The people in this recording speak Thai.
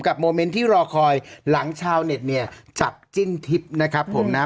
โมเมนต์ที่รอคอยหลังชาวเน็ตเนี่ยจับจิ้นทิพย์นะครับผมนะ